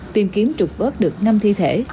tìm kiếm trục bớt được năm thi thể